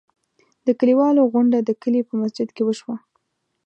د کلیوالو غونډه د کلي په مسجد کې وشوه.